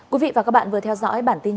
xin chào tạm biệt